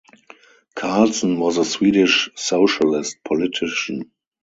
Carleson, was a Swedish Socialist politician.